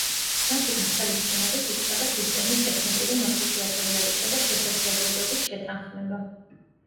მათი გათვალისწინებით იწყება სისტემის ტექნიკური მახასიათებლებისა და შესაძლებლობების შეთანხმება.